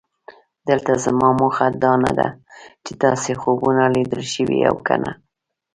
دلته زما موخه دا نه ده چې داسې خوبونه لیدل شوي او که نه.